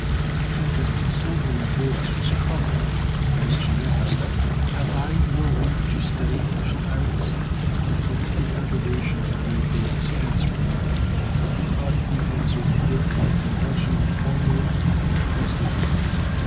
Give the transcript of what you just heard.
Her tinkling, silvery voice was troubled as she asked: "Have I your leave to stay, Mich'l Ares?" The look of adoration he gave her was answer enough, but he answered with the conventional formula, "It is given."